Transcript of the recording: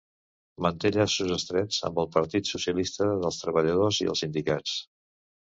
Manté llaços estrets amb el Partit Socialista dels Treballadors i els sindicats.